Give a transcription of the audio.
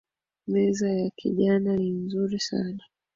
Meza ya kijana ni nzuri sana